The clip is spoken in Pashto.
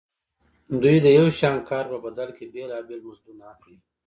دوی د یو شان کار په بدل کې بېلابېل مزدونه اخلي